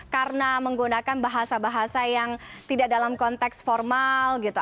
karena menggunakan bahasa bahasa yang tidak dalam konteks formal gitu